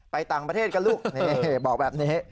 ไปต่างประเทศกันลูกนี่บอกแบบนี้